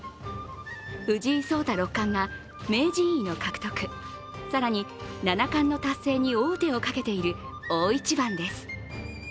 藤井聡太六冠が名人位の獲得、更に七冠の達成に王手をかけている、大一番です。